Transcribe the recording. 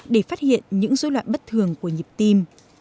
để phát hiện những dối loạn bất thường của nhịp tim